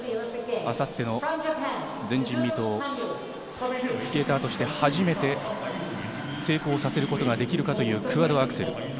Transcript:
明後日の前人未到、スケーターとして初めて成功させることができるかというクアッドアクセル。